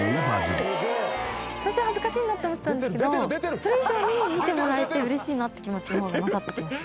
最初は恥ずかしいなって思ってたんですけどそれ以上に見てもらえて嬉しいなって気持ちの方が勝ってきました。